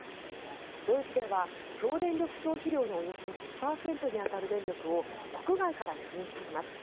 ドイツでは、総電力消費量のおよそ１０％に当たる電力を国外から輸入しています。